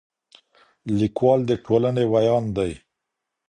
ليکوال د ټولنې وياند دی.